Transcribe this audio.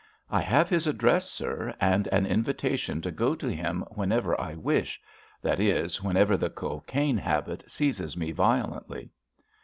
"I have his address, sir, and an invitation to go to him whenever I wish—that is, whenever the cocaine habit seizes me violently."